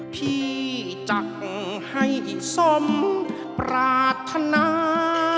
พี่จังให้สมปราธนา